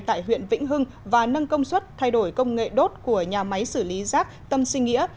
tại huyện vĩnh hưng và nâng công suất thay đổi công nghệ đốt của nhà máy xử lý rác tâm sinh nghĩa